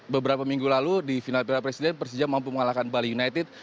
beberapa minggu lalu di final piala presiden persija mampu mengalahkan bali united